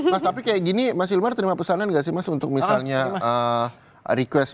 mas tapi kayak gini mas hilmar terima pesanan gak sih mas untuk misalnya request